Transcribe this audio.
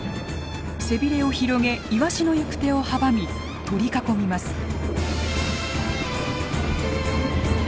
背びれを広げイワシの行く手を阻み取り囲みます。